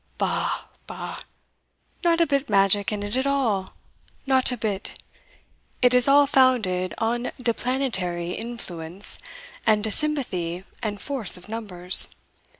"Bah! bah! not a bit magic in it at all not a bit It is all founded on de planetary influence, and de sympathy and force of numbers.